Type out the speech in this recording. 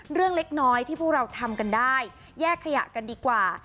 เล็กน้อยที่พวกเราทำกันได้แยกขยะกันดีกว่า